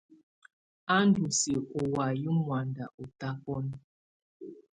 A ndɔ siǝ́ u wǝ́yi muanda ɔ tabɔna.